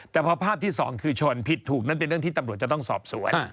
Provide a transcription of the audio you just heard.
แต่พอภาพที่สองคือชนผิดถูกนั่นเป็นเรื่องที่ตำรวจจะต้องสอบสวน